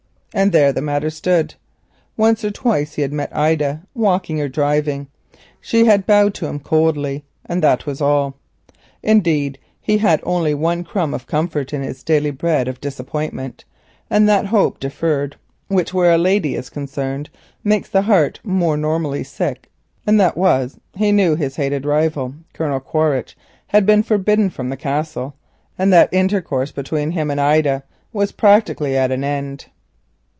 And there the matter stood. Once or twice Edward had met Ida walking or driving. She bowed to him coldly and that was all. Indeed he had only one crumb of comfort in his daily bread of disappointment, and the hope deferred which, where a lady is concerned, makes the heart more than normally sick, and it was that he knew his hated rival, Colonel Quaritch, had been forbidden the Castle, and that intercourse between him and Ida was practically at an end.